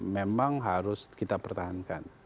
memang harus kita pertahankan